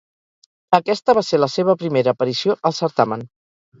Aquesta va ser la seva primera aparició al certamen.